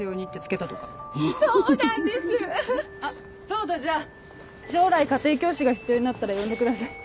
そうだじゃあ将来家庭教師が必要になったら呼んでください。